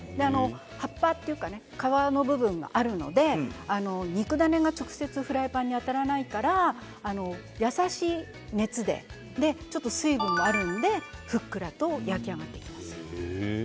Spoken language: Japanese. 葉っぱというか皮の部分があるので肉ダネが直接フライパンに当たらないから優しい熱でちょっと水分もあるのでふっくらと焼き上がります。